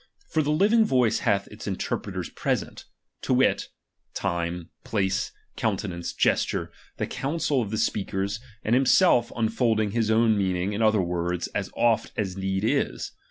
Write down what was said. For the living voice hath its interpreters present, to wit, time, place, countenance, gesture, the counsel of the speaker, and himself unfolding his own meaning in other words as oft as need is.